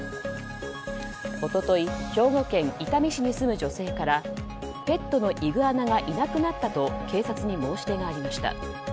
一昨日、兵庫県伊丹市に住む女性からペットのイグアナがいなくなったと警察に申し出がありました。